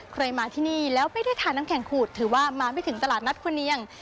ใครมาที่นี่แล้วไม่ได้ทานน้ำแข็งขูดถือว่ามาไม่ถึงตลาดนัดคุณเนียง